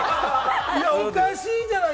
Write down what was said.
おかしいじゃない！